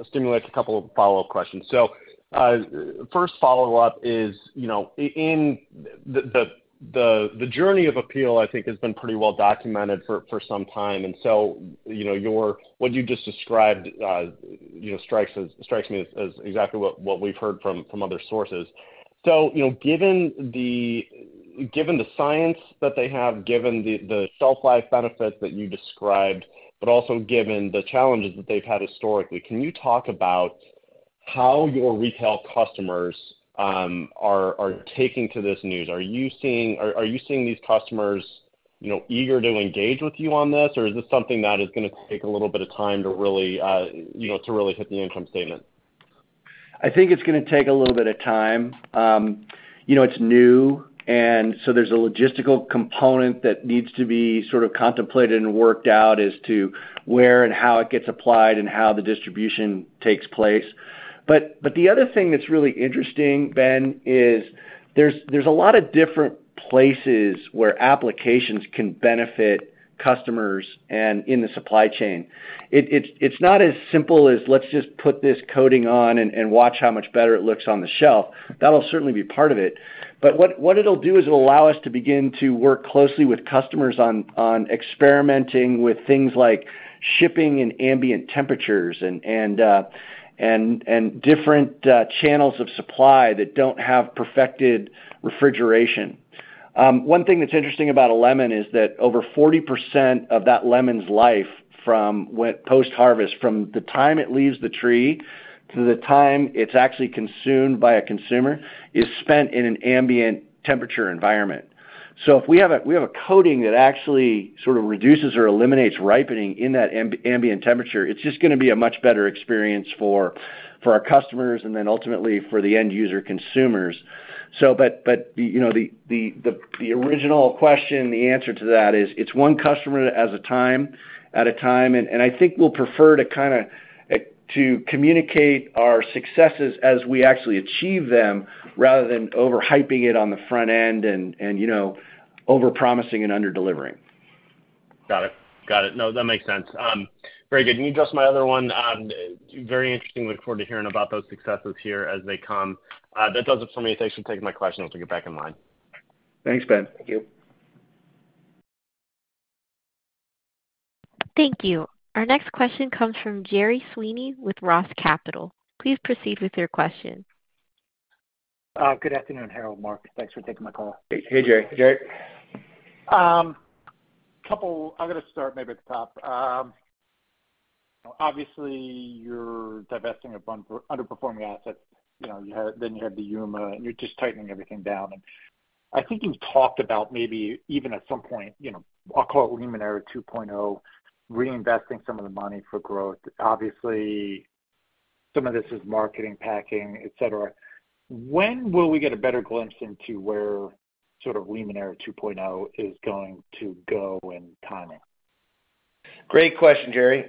stimulates a couple of follow-up questions. First follow-up is, you know, in the journey of Apeel, I think, has been pretty well documented for some time. You know, what you just described, you know, strikes me as exactly what we've heard from other sources. You know, given the science that they have, given the shelf life benefits that you described, but also given the challenges that they've had historically, can you talk about how your retail customers are taking to this news? Are you seeing these customers, you know, eager to engage with you on this, or is this something that is gonna take a little bit of time to really, you know, to really hit the income statement? I think it's gonna take a little bit of time. You know, it's new, there's a logistical component that needs to be sort of contemplated and worked out as to where and how it gets applied and how the distribution takes place. The other thing that's really interesting, Ben, is there's a lot of different places where applications can benefit customers and in the supply chain. It's not as simple as let's just put this coating on and watch how much better it looks on the shelf. That'll certainly be part of it. What it'll do is it'll allow us to begin to work closely with customers on experimenting with things like shipping and ambient temperatures and different channels of supply that don't have perfected refrigeration. One thing that's interesting about a lemon is that over 40% of that lemon's life from when post-harvest, from the time it leaves the tree to the time it's actually consumed by a consumer, is spent in an ambient temperature environment. If we have a coating that actually sort of reduces or eliminates ripening in that ambient temperature, it's just gonna be a much better experience for our customers, and then ultimately for the end user consumers. You know, the original question, the answer to that is, it's one customer at a time. I think we'll prefer to kind of to communicate our successes as we actually achieve them, rather than over-hyping it on the front end and, you know, over-promising and under-delivering. Got it. No, that makes sense. Very good. Can you address my other one? Very interesting. Look forward to hearing about those successes here as they come. That does it for me. Thanks for taking my questions. I'll get back in line. Thanks, Ben. Thank you. Thank you. Our next question comes from Gerry Sweeney with ROTH Capital. Please proceed with your question. Good afternoon, Harold, Mark. Thanks for taking my call. Hey, Gerry. Gerry. I'm gonna start maybe at the top. Obviously, you're divesting a bunch of underperforming assets. You know, then you had the Yuma, and you're just tightening everything down. I think you've talked about maybe even at some point, you know, I'll call it Limoneira 2.0, reinvesting some of the money for growth. Obviously, some of this is marketing, packing, et cetera. When will we get a better glimpse into where sort of Limoneira 2.0 is going to go and timing? Great question, Gerry.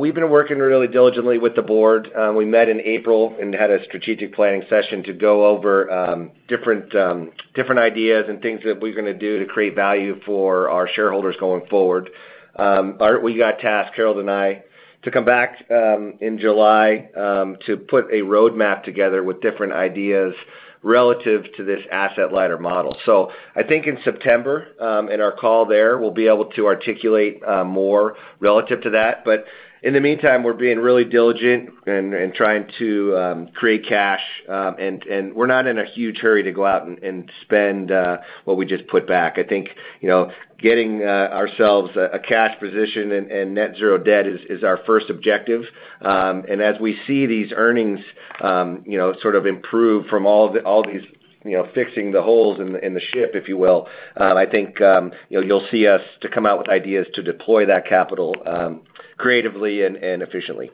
We've been working really diligently with the board. We met in April and had a strategic planning session to go over different ideas and things that we're gonna do to create value for our shareholders going forward. We got tasked, Harold and I, to come back in July to put a roadmap together with different ideas relative to this asset-lighter model. I think in September, in our call there, we'll be able to articulate more relative to that. In the meantime, we're being really diligent and trying to create cash and we're not in a huge hurry to go out and spend what we just put back. I think, you know, getting ourselves a cash position and net zero debt is our first objective. As we see these earnings, you know, sort of improve from all these, you know, fixing the holes in the ship, if you will, I think, you know, you'll see us to come out with ideas to deploy that capital, creatively and efficiently.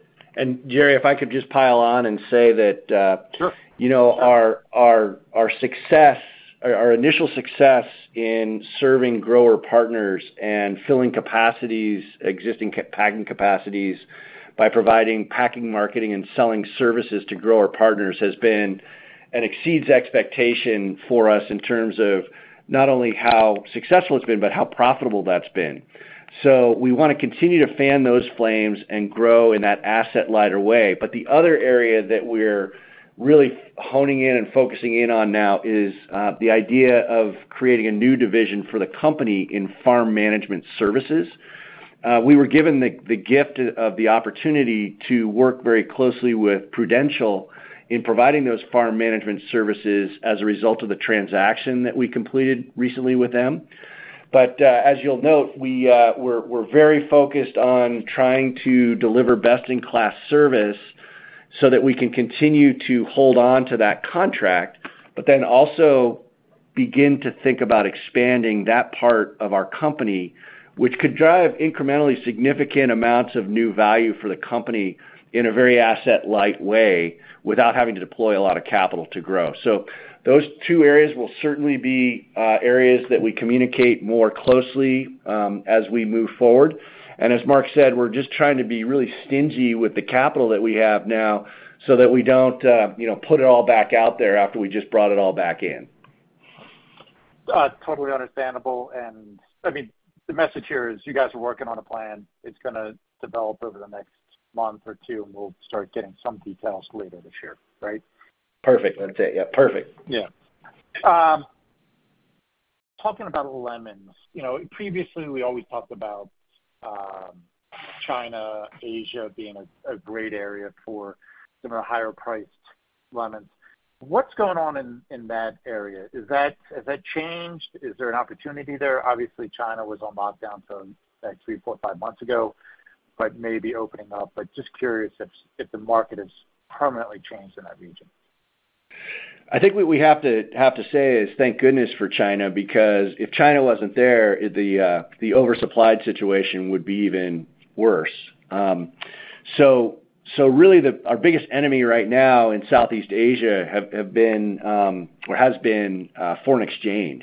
Gerry, if I could just pile on and say that. Sure... you know, our success, our initial success in serving grower partners and filling existing packing capacities, by providing packing, marketing, and selling services to grower partners has been an exceeds expectation for us in terms of not only how successful it's been, but how profitable that's been. We want to continue to fan those flames and grow in that asset-lighter way. The other area that we're really honing in and focusing in on now is the idea of creating a new division for the company in farm management services. We were given the gift of the opportunity to work very closely with Prudential in providing those farm management services as a result of the transaction that we completed recently with them. As you'll note, we're very focused on trying to deliver best-in-class service, so that we can continue to hold on to that contract, but then also begin to think about expanding that part of our company, which could drive incrementally significant amounts of new value for the company in a very asset-light way, without having to deploy a lot of capital to grow. Those two areas will certainly be areas that we communicate more closely as we move forward. As Mark said, we're just trying to be really stingy with the capital that we have now, so that we don't, you know, put it all back out there after we just brought it all back in. Totally understandable. I mean, the message here is you guys are working on a plan. It's gonna develop over the next month or two, and we'll start getting some details later this year. Right? Perfect. That's it. Yeah, perfect. Yeah. Talking about lemons, you know, previously, we always talked about China, Asia being a great area for some of the higher priced lemons. What's going on in that area? Has that changed? Is there an opportunity there? Obviously, China was on lockdown till, like, three, four, five months ago, but maybe opening up, but just curious if the market has permanently changed in that region. I think what we have to say is, thank goodness for China, because if China wasn't there, the oversupplied situation would be even worse. Really, our biggest enemy right now in Southeast Asia have been or has been foreign exchange.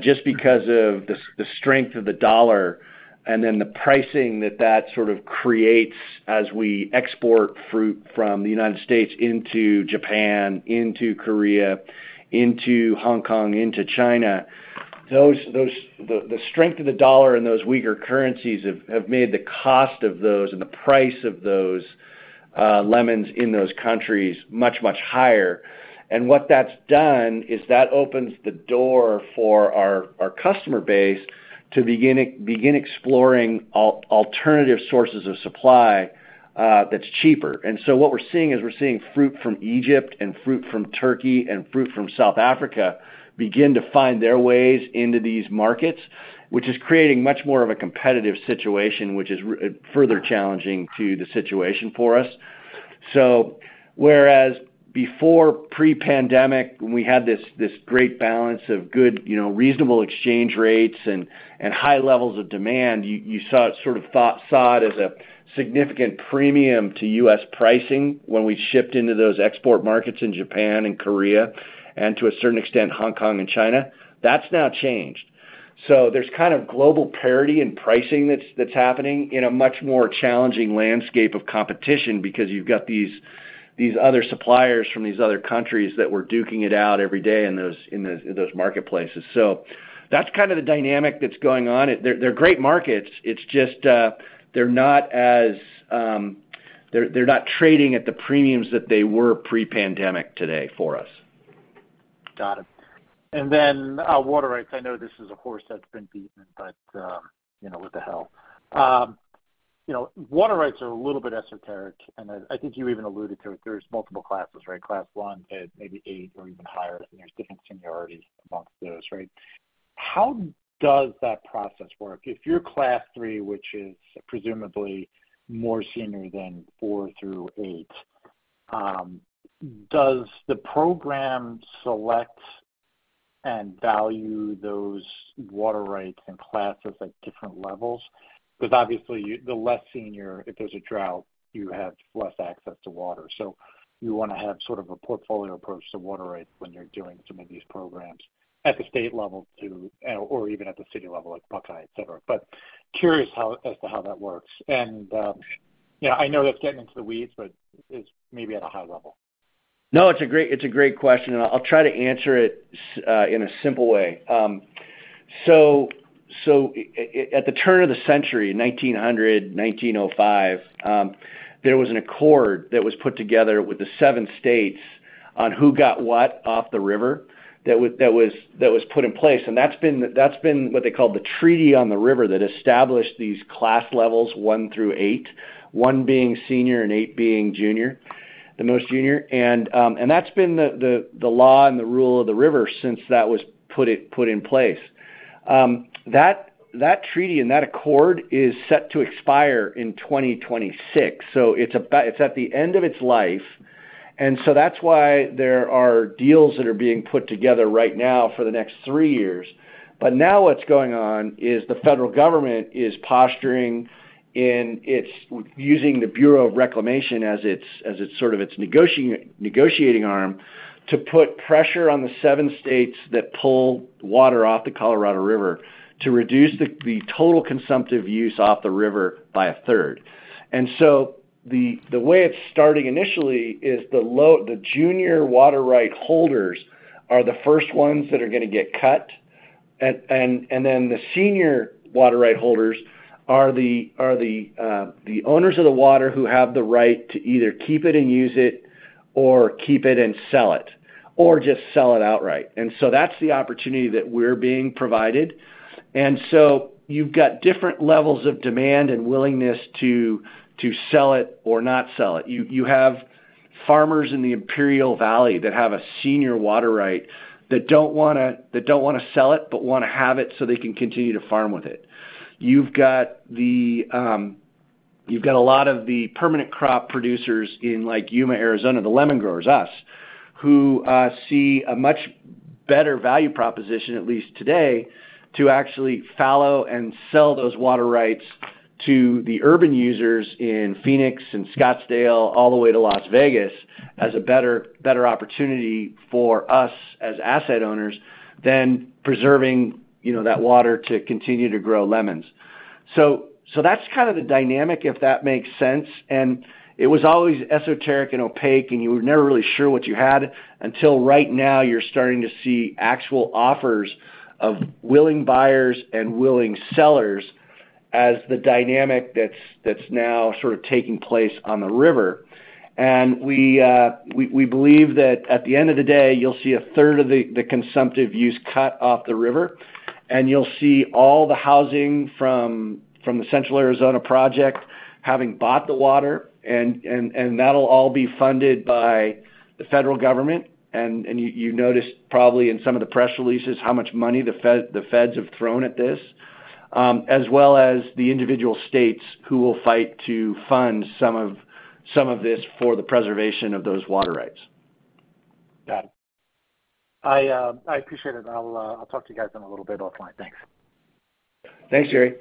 Just because of the strength of the dollar and then the pricing that that sort of creates as we export fruit from the United States into Japan, into Korea, into Hong Kong, into China, the strength of the dollar and those weaker currencies have made the cost of those and the price of those lemons in those countries much, much higher. What that's done is that opens the door for our customer base to begin exploring alternative sources of supply that's cheaper. What we're seeing is we're seeing fruit from Egypt and fruit from Turkey and fruit from South Africa begin to find their ways into these markets, which is creating much more of a competitive situation, which is further challenging to the situation for us. Whereas before pre-pandemic, when we had this great balance of good, you know, reasonable exchange rates and high levels of demand, you saw it as a significant premium to U.S. pricing when we shipped into those export markets in Japan and Korea, and to a certain extent, Hong Kong and China. That's now changed. There's kind of global parity in pricing that's happening in a much more challenging landscape of competition because you've got these other suppliers from these other countries that we're duking it out every day in those marketplaces. That's kind of the dynamic that's going on. They're great markets. It's just, they're not as, they're not trading at the premiums that they were pre-pandemic today for us. Got it. Then, water rights. I know this is a horse that's been beaten, but, you know, what the hell? You know, water rights are a little bit esoteric, and I think you even alluded to it. There's multiple classes, right? Class 1 to maybe 8 or even higher, and there's different seniorities amongst those, right? How does that process work? If you're Class 3, which is presumably more senior than 4 through 8, does the program select and value those water rights and classes at different levels? Because obviously, the less senior, if there's a drought, you have less access to water. You wanna have sort of a portfolio approach to water rights when you're doing some of these programs at the state level to, or even at the city level, like Buckeye, et cetera. Curious how as to how that works. You know, I know that's getting into the weeds, but it's maybe at a high level. No, it's a great, it's a great question. I'll try to answer it in a simple way. At the turn of the century, 1900, 1905, there was an accord that was put together with the seven states on who got what off the river, that was put in place, and that's been what they call the treaty on the river that established these class levels, 1 through 8. 1 being senior and 8 being junior, the most junior. That's been the law and the rule of the river since that was put in place. That treaty and that accord is set to expire in 2026. It's at the end of its life. That's why there are deals that are being put together right now for the next three years. Now what's going on is the federal government is posturing in its using the Bureau of Reclamation as its sort of its negotiating arm, to put pressure on the seven states that pull water off the Colorado River to reduce the total consumptive use off the river by 1/3. The way it's starting initially is the junior water right holders are the first ones that are gonna get cut. Then the senior water right holders are the owners of the water who have the right to either keep it and use it or keep it and sell it, or just sell it outright. That's the opportunity that we're being provided. You've got different levels of demand and willingness to sell it or not sell it. You have farmers in the Imperial Valley that have a senior water right, that don't wanna sell it, but wanna have it so they can continue to farm with it. You've got a lot of the permanent crop producers in, like, Yuma, Arizona, the lemon growers, us, who see a much better value proposition, at least today, to actually fallow and sell those water rights to the urban users in Phoenix and Scottsdale, all the way to Las Vegas, as a better opportunity for us as asset owners than preserving, you know, that water to continue to grow lemons. That's kind of the dynamic, if that makes sense. It was always esoteric and opaque, and you were never really sure what you had until right now you're starting to see actual offers of willing buyers and willing sellers as the dynamic that's now sort of taking place on the river. We believe that at the end of the day, you'll see a third of the consumptive use cut off the river, and you'll see all the housing from the Central Arizona Project having bought the water, and that'll all be funded by the federal government. You noticed probably in some of the press releases, how much money the feds have thrown at this, as well as the individual states, who will fight to fund some of this for the preservation of those water rights. Got it. I appreciate it, and I'll talk to you guys in a little bit offline. Thanks. Thanks, Gerry.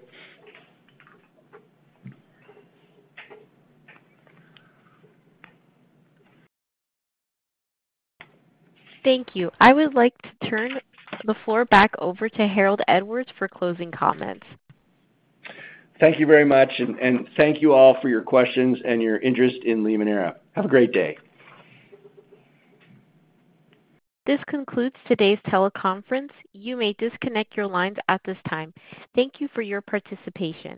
Thank you. I would like to turn the floor back over to Harold Edwards for closing comments. Thank you very much, and thank you all for your questions and your interest in Limoneira. Have a great day. This concludes today's teleconference. You may disconnect your lines at this time. Thank you for your participation.